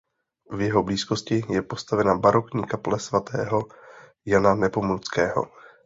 V jeho blízkosti je postavena barokní kaple svatého Jana Nepomuckého.